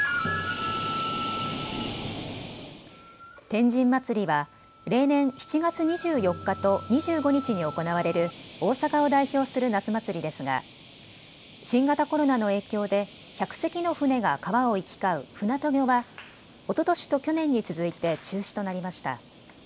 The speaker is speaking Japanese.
天神祭は例年、７月２４日と２５日に行われる大阪を代表する夏祭りですが新型コロナの影響で１００隻の船が川を行き交う船渡御はおととしと去年に続いて中止となりました。